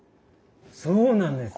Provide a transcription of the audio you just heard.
そうなんです。